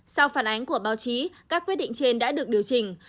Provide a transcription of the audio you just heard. sau phản ánh của báo chí các quyết định trên đã được điều chỉnh